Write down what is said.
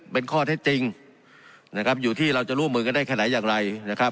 เป็นข้อเท็จจริงนะครับอยู่ที่เราจะร่วมมือกันได้แค่ไหนอย่างไรนะครับ